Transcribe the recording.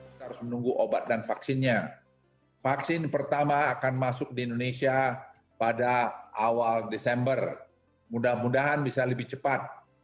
kita harus menunggu obat dan vaksinnya vaksin pertama akan masuk di indonesia pada awal desember mudah mudahan bisa lebih cepat